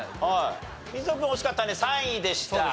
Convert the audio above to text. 水野君惜しかったね３位でした。